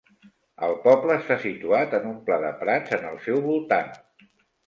El poble està situat en un pla de prats en el seu voltant.